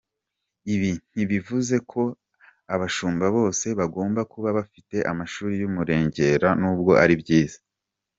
Ibi ntibivuze ko abashumba bose bagomba kuba bafite amashuri y’umurengera nubwo ari byiza.